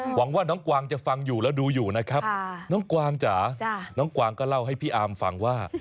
หวังว่าน้องกวางจะฟังอยู่แล้วดูอยู่นะครับน้องกวางจ๋าน้องกวางก็เล่าให้พี่อาร์มฟังว่า